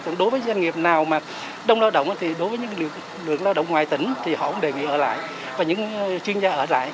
còn đối với doanh nghiệp nào mà đông lao động thì đối với những lượng lao động ngoài tỉnh thì họ cũng đề nghị ở lại và những chuyên gia ở lại